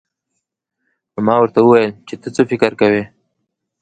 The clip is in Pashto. نو ما ورته وويل چې ته څه فکر کوې.